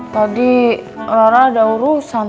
tadi rara ada urusan